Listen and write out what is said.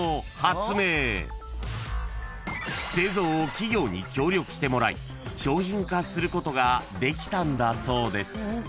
［製造を企業に協力してもらい商品化することができたんだそうです］